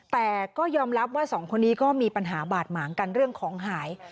แต่ก็ยอมรับว่าสองคนนี้ก็มีปัญหาบาดหมางกันเรื่องของหาย